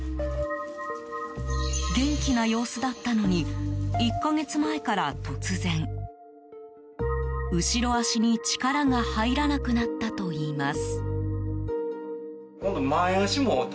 元気な様子だったのに１か月前から突然、後ろ脚に力が入らなくなったといいます。